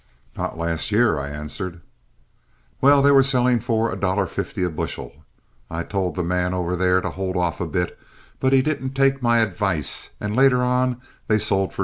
"Not last year," I answered. "Well, they were selling for $1.50 a bushel. I told that man over there to hold off a bit, but he didn't take my advice, and later on they sold for $2.